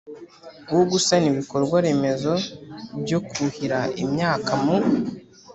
wo gusana ibikorwa remezo byo kuhira imyaka mu